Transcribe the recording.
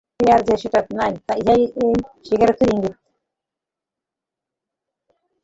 গোরার যে সেটা নাই ইহাই এই স্বীকারোক্তির ইঙ্গিত।